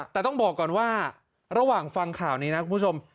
แต่ต้องบอกก่อนว่าระหว่างฟังข่าวนี้นะคุณผู้ชม